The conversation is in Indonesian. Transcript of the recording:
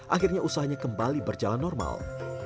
akhirnya usahanya kembali berjalan normal